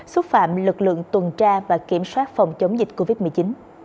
xúc phạm lực lượng tuần tra và kiểm soát phòng chống dịch covid một mươi chín